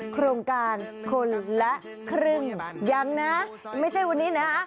โครงการคนละครึ่งยังนะไม่ใช่วันนี้นะ